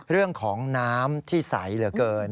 เรื่องของน้ำที่ใสเหลือเกิน